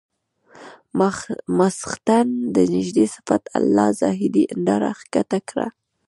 ماخستن ته نږدې صفت الله زاهدي هنداره ښکته کړه.